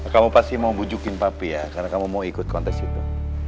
kamu pasti mau bujukin papi ya karena kamu mau ikut kontes itu